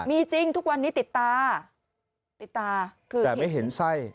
ติดตาคือแบบแต่ไม่เห็นไส้